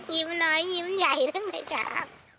ยิ้มน้อยยิ้มใหญ่ทั้งในเช้า